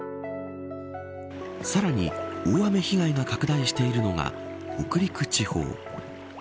さらに、大雨被害を拡大しているのが北陸地方。